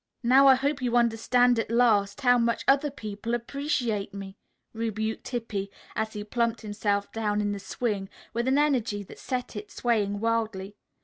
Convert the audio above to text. "Now I hope you understand at last how much other people appreciate me," rebuked Hippy, as he plumped himself down in the swing with an energy that set it swaying wildly.